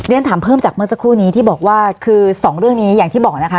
เรียนถามเพิ่มจากเมื่อสักครู่นี้ที่บอกว่าคือสองเรื่องนี้อย่างที่บอกนะคะ